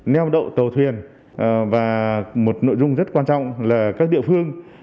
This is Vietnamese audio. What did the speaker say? nêu độ tàu thuyền và một nội dung rất quan trọng là các địa phương